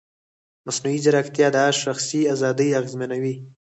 مصنوعي ځیرکتیا د شخصي ازادۍ اغېزمنوي.